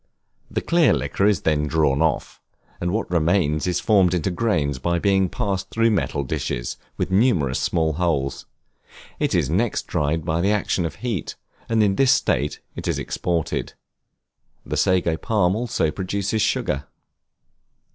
The clear liquor is then drawn off, and what remains is formed into grains by being passed through metal dishes, with numerous small holes; it is next dried by the action of heat, and in this state it is exported. The Sago Palm also produces sugar.